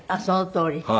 そのとおり？